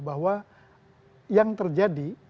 bahwa yang terjadi